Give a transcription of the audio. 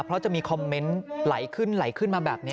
เพราะจะมีคอมเมนต์ไหลขึ้นมาแบบนี้